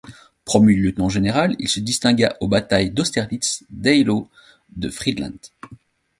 Promu lieutenant-général, il se distingua aux batailles d'Austerlitz, d'Eylau, de Friedland.